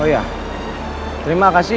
oh ya terima kasih